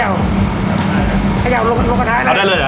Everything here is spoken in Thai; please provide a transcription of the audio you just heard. เอาได้เลยเหรอ